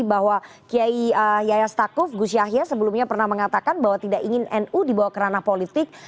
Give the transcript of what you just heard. bahwa kiai yayastakuf gus yahya sebelumnya pernah mengatakan bahwa tidak ingin nu di bawah kerana politik